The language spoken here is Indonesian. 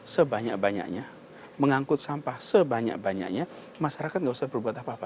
sebanyak banyaknya mengangkut sampah sebanyak banyaknya masyarakat nggak usah berbuat apa apa